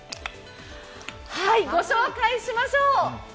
御紹介しましょう。